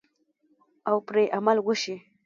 او پرې عمل وشي.